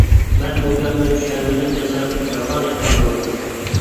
مەن بۇ گەپنى چۈشەنمىدىم دېسەم، يالغان ئېيتقان بولىمەن.